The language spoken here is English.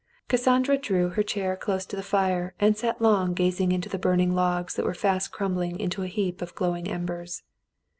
Cassandra drew her chair close to the fire and sat long gazing into the burning logs that were fast crumbling to a heap of glowing embers.